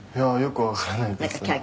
「よくわからないですね」